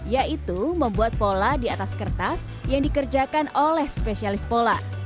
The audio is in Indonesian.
yaitu membuat pola di atas kertas yang dikerjakan oleh spesialis pola